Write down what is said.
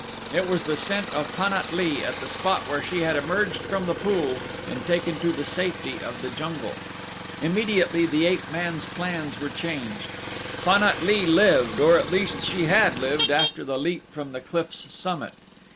It was the scent of Pan at lee at the spot where she had emerged from the pool and taken to the safety of the jungle. Immediately the ape man's plans were changed. Pan at lee lived, or at least she had lived after the leap from the cliff's summit.